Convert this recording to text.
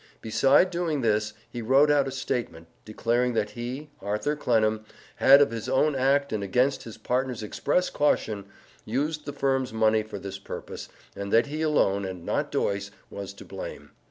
Beside doing this, he wrote out a statement, declaring that he, Arthur Clennam, had of his own act and against his partner's express caution, used the firm's money for this purpose, and that he alone, and not Doyce, was to blame.